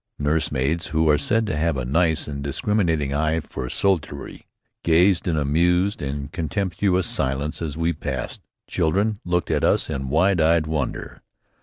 Nursemaids, who are said to have a nice and discriminating eye for soldiery, gazed in amused and contemptuous silence as we passed. Children looked at us in wide eyed wonder.